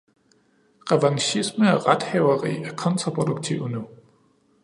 Revanchisme og rethaveri er kontraproduktive nu.